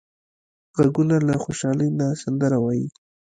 غوږونه له خوشحالۍ نه سندره وايي